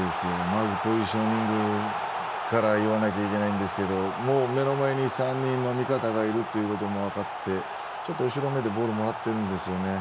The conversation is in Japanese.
まずポジショニングから言わなきゃいけないんですけどもう目の前に３人の味方がいるということも分かってちょっと後ろめでボールをもらってるんですよね。